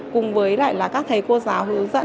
cùng với lại là các thầy cô giáo hướng dẫn